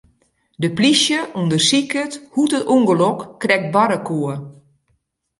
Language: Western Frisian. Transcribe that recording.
De plysje ûndersiket hoe't it ûngelok krekt barre koe.